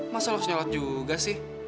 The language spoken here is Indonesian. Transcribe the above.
masa lo harus nyelot juga sih